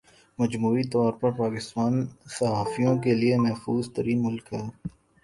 مجموعی طور پر پاکستان صحافیوں کے لئے محفوظ ترین ملک ہے